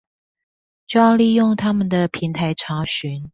就要利用它們的平台查詢